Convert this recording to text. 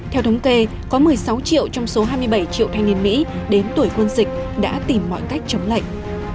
theo thống kê có một mươi sáu triệu trong số hai mươi bảy triệu thanh niên mỹ đến tuổi quân dịch đã tìm mọi cách chống lệnh